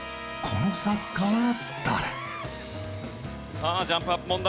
さあジャンプアップ問題。